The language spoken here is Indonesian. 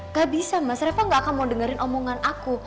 nggak bisa mas reva nggak akan mau dengerin omongan aku